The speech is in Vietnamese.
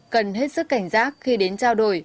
cần hết sức cảnh giác khi đến trao đổi